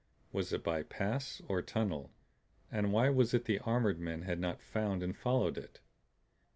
Was it by pass or tunnel; and why was it the armored men had not found and followed it?